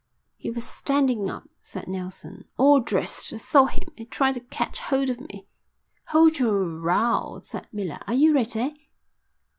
"He was standing up," said Nelson, "all dressed. I saw him. He tried to catch hold of me." "Hold your row," said Miller. "Are you ready?"